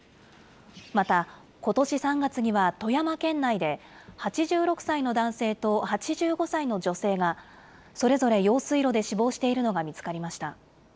また、ことし３月には富山県内で、８６歳の男性と８５歳の女性が、それぞれ用水路で死亡しているのが見つかりました。